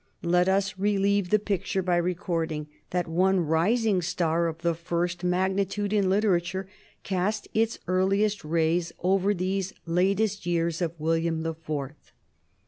Let us relieve the picture by recording that one rising star of the first magnitude in literature cast its earliest rays over these latest years of William the Fourth.